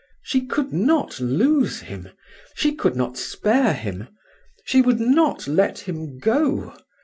She could not lose him, she could not spare him. She would not let him go.